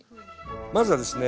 まずはですね